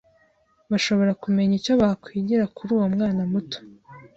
bashoboraga kumenya icyo bakwigira kuri uwo mwana muto.